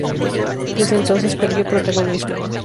Desde entonces perdió protagonismo.